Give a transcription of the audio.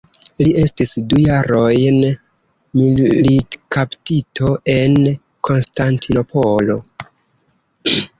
Li estis du jarojn militkaptito en Konstantinopolo.